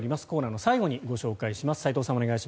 コーナーの最後にご紹介します。